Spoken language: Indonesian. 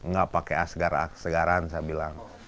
gak pakai asgar segaran saya bilang